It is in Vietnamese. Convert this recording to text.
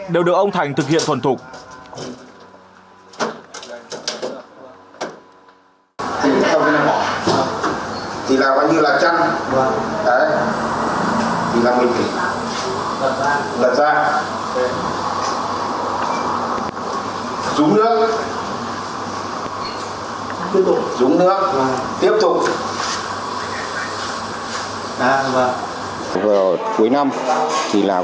đều được ông thành thực hiện thuần thục